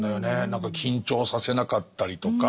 何か緊張させなかったりとか。